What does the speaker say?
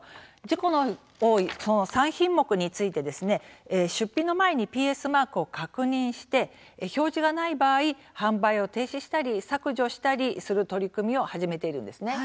事故の多いその３品目について出品の前にＰＳマークを確認して表示がない場合販売を停止したり削除したりする取り組みを始めているんです。